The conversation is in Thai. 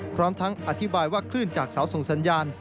พร้อมทั้งอธิบายว่าคลื่นจากเสาส่งสัญญาณ